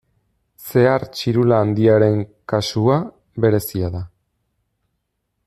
Zehar txirula handiaren kasua, berezia da.